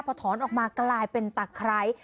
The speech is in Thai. พอถอนออกมากลายเป็นตะไคร้